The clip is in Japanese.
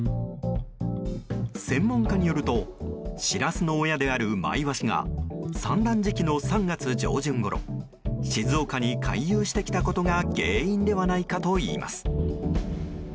専門家によるとシラスの親であるマイワシが産卵時期の３月上旬ごろ静岡に回遊してきたことが原因ではないかといいます。